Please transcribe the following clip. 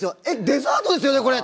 えっデザートですよね？